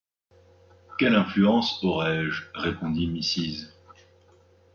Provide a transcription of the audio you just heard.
Quelle influence aurais-je, répondit Mrs.